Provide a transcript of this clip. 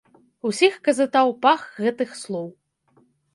Усіх казытаў пах гэтых слоў.